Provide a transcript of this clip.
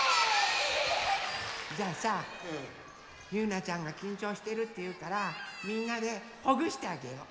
じゃあさゆうなちゃんがきんちょうしてるっていうからみんなでほぐしてあげよう。